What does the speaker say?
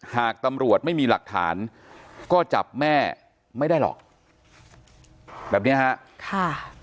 หากตำรวจไม่มีหลักฐานก็จับแม่ไม่ได้หรอกแบบเนี้ยฮะค่ะ